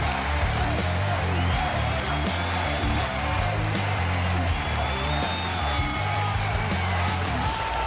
อยากรู้ทำยังไงงั้นไปรุ้นกันเลย